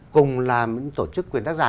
cùng làm tổ chức quyền tác giả